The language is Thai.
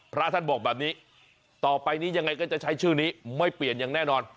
พระท่านบอกแบบนี้ต่อไปนี้ยังไงก็จะใช้ชื่อนี้ไม่เปลี่ยนอย่างแน่นอน